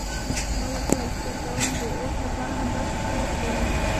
ما ورته وویل فکر کوم د اوس لپاره همدا کفایت کوي.